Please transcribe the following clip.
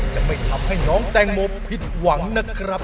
จะไม่ทำให้น้องแตงโมผิดหวังนะครับ